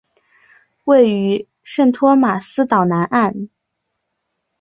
位于圣托马斯岛南岸。